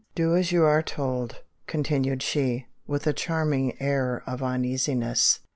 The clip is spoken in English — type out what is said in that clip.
"Do as you are told," continued she, with a charming air of uneasiness.